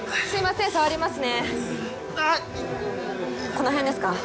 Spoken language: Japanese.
この辺ですか？